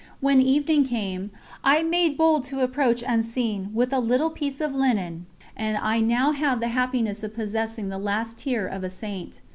When evening came, I made bold to approach unseen, with a little piece of linen, and I now have the happiness of possessing the last tear of a Saint.